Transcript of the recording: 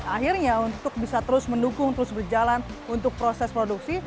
akhirnya untuk bisa terus mendukung terus berjalan untuk proses produksi